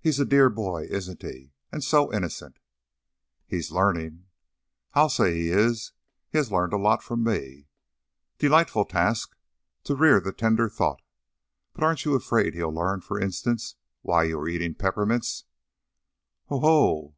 "He's a dear boy, isn't he? And so innocent." "He's learning." "I'll say he is. He has learned a lot from me." "'Delightful task, to rear the tender thought.' But aren't you afraid he'll learn, for instance, why you are eating peppermints?" "Oho!"